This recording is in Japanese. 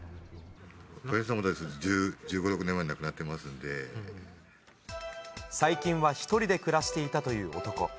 お父さんのほうも１５、６年前に最近は１人で暮らしていたという男。